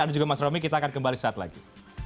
juga mas romy kita akan kembali saat lagi